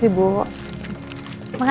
sampai jumpa lagi